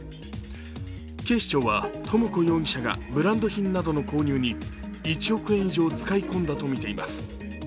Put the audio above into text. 警視庁は智子容疑者がブランド品などの購入に１億円以上使い込んだとみています